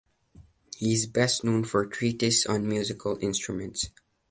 He is best known for a treatise on musical instruments.